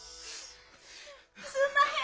すんまへん。